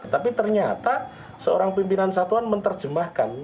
tapi ternyata seorang pimpinan satuan menerjemahkan